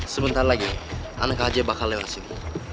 sebentar lagi anak kj bakal lewat sini